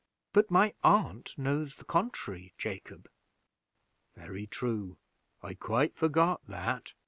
"But my aunt knows the contrary, Jacob." "Very true; I quite forgot that."